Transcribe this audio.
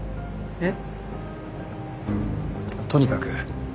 えっ？